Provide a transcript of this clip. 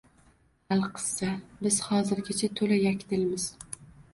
Alqissa, biz hozirgacha to‘la yakdilmiz